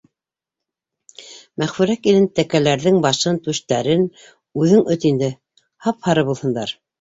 — Мәғфүрә килен, тәкәләрҙең башын, түштәрен үҙең өт инде. һап-һары булһындар.